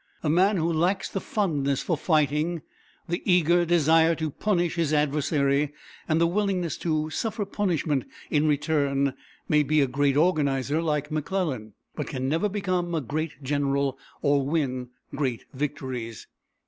A man who lacks the fondness for fighting, the eager desire to punish his adversary, and the willingness to suffer punishment in return, may be a great organizer, like McClellan, but can never become a great general or win great victories.